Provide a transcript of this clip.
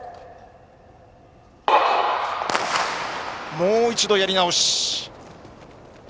もう一度やり直し。